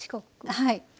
はい。